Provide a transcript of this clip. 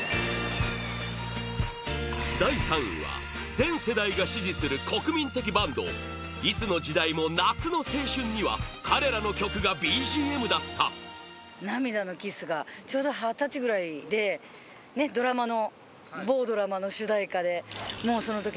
第３位は、全世代が支持する国民的バンドいつの時代も夏の青春には彼らの曲がＢＧＭだった女性：ちょっとね、ああっていう思い出があります。